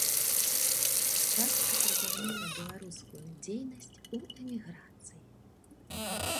Частка працягнула беларускую дзейнасць у эміграцыі.